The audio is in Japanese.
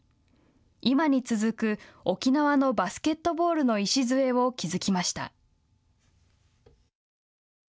今に続く沖縄のバスケットボールの礎を築きました。